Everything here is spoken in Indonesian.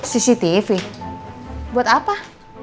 cctv buat apa